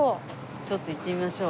ちょっと行ってみましょう。